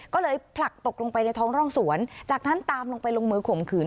ก็เลยผลักตกลงไปในท้องร่องสวนจากนั้นตามลงไปลงมือข่มขืน